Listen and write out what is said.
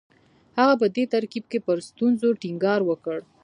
هغه په دې ترکیب کې پر ستونزو ټینګار وکړ